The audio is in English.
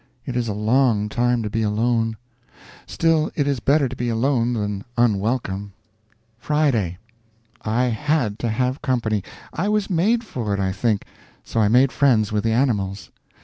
It is a long time to be alone; still, it is better to be alone than unwelcome. I _had _to have company I was made for it, I think so I made friends with the animals.